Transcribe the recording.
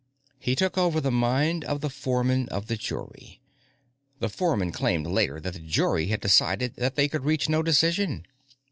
He took over the mind of the foreman of the jury. The foreman claimed later that the jury had decided that they could reach no decision.